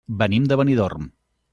Venim de Benidorm.